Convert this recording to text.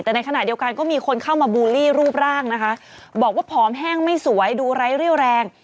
แต่ในขณะเดียวกันก็มีคนเข้ามาบูลลี่รูปร่างนะคะบอกว่าผอมแห้งไม่สวยดูไร้เรี่ยวแรง